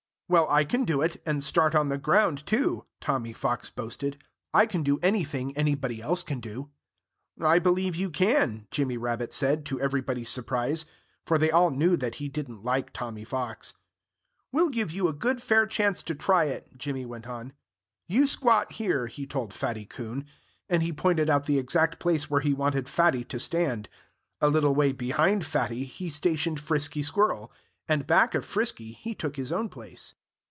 "Well, I can do it, and start on the ground, too," Tommy Fox boasted. "I can do anything anybody else can do." "I believe you can," Jimmy Rabbit said, to everybody's surprise. For they all knew that he didn't like Tommy Fox. "We'll give you a good, fair chance to try it," Jimmy went on. "You squat here," he told Fatty Coon. And he pointed out the exact place where he wanted Fatty to stand. A little way behind Fatty, he stationed Frisky Squirrel. And back of Frisky he took his own place.